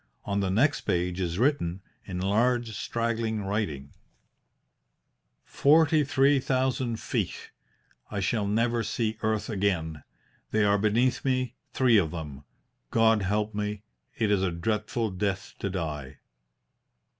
On the next page is written, in large, straggling writing: "Forty three thousand feet. I shall never see earth again. They are beneath me, three of them. God help me; it is a dreadful death to die!"